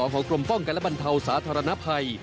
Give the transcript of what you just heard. ของกรมป้องกันและบรรเทาสาธารณภัย